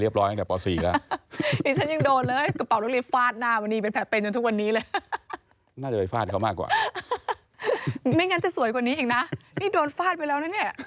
ครับว่าไงก็ไปเรียบร้อยเนี่ยที่ป๋อสี่แล้ว